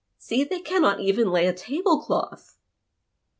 See, they cannot even lay a table cloth